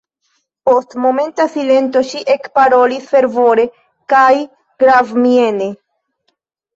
Post momenta silento ŝi ekparolis fervore kaj gravmiene: